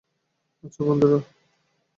আচ্ছা, বন্ধুরা।